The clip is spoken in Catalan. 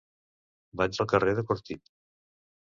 Vaig al carrer de Cortit.